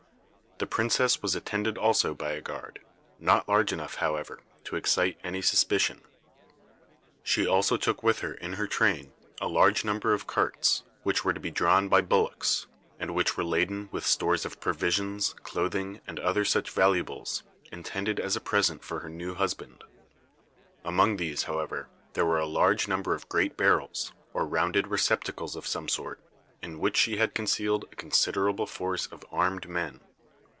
The princess was attended also by a guard, not large enough, however, to excite any suspicion. She also took with her in her train a large number of carts, which were to be drawn by bullocks, and which were laden with stores of provisions, clothing, and other such valuables, intended as a present for her new husband. Among these, however, there were a large number of great barrels, or rounded receptacles of some sort, in which she had concealed a considerable force of armed men.